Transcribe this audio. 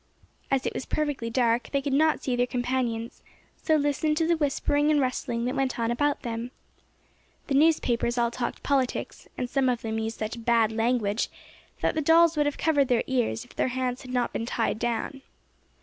As it was perfectly dark they could not see their companions, so listened to the whispering and rustling that went on about them. The newspapers all talked politics, and some of them used such bad language that the dolls would have covered their ears, if their hands had not been tied down.